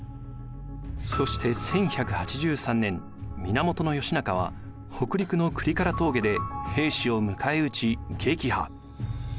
そして１１８３年源義仲は北陸の倶利伽羅峠で平氏を迎え撃ち撃破。